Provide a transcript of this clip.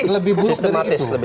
lebih buruk dari itu